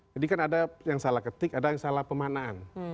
jadi kan ada yang salah ketik ada yang salah pemanaan